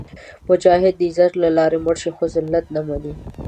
مجاهد د عزت له لارې مړ شي، خو ذلت نه مني.